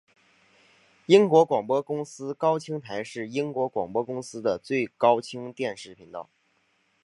英国广播公司高清台是英国广播公司的高清电视频道。